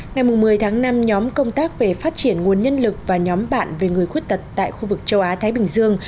ngày một mươi tháng năm nhóm công tác về phát triển nguồn nhân lực và nhóm bạn về người khuyết tật tại khu vực châu á thái bình dương